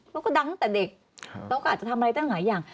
เขาก็ดังตั้งแต่เด็กเราก็อาจจะทำอะไรตั้งหลายอย่าง